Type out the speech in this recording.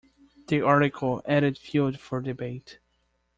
The article added fuel for debate.